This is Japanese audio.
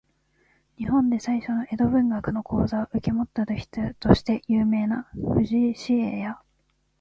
日本で最初の江戸文学の講座を受け持った人として有名な藤井紫影や、